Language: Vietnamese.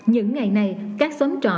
những ngày nay các xóm trọ